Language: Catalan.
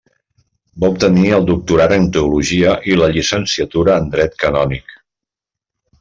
Va obtenir el doctorat en teologia i la llicenciatura en dret canònic.